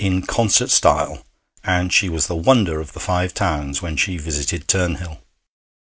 in concert style, and she was the wonder of the Five Towns when she visited Turnhill.